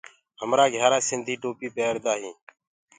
همرآ گھِيآرآ سنڌي ٽوپيٚ پيردآ هينٚ۔